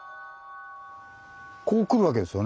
こうくるわけですよね。